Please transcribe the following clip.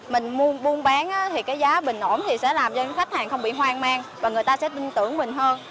mình mua buôn bán thì cái giá bình ổn thì sẽ làm cho khách hàng không bị hoang mang và người ta sẽ tin tưởng mình hơn